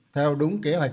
theo đúng kế hoạch